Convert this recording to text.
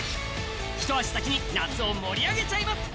一足先に夏を盛り上げちゃいます